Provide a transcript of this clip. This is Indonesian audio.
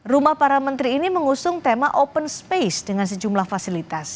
rumah para menteri ini mengusung tema open space dengan sejumlah fasilitas